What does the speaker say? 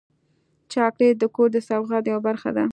چاکلېټ د کور د سوغات یوه برخه ده.